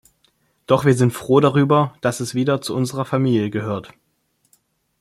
Doch sind wir froh darüber, dass es wieder zu unserer Familie gehört.